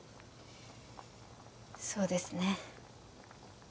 そうですね